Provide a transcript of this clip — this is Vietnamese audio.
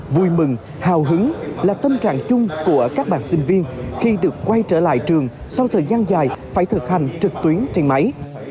vui mừng hào hứng là tâm trạng chung của các bạn sinh viên khi được quay trở lại trường sau thời gian dài phải thực hành trực tuyến trên máy